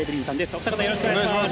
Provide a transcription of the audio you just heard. お二方よろしくお願いします。